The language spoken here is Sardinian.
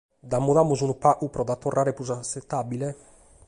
Dda mudamus unu pagu pro dda torrare prus atzetàbile?